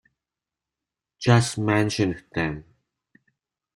Just mentioned them.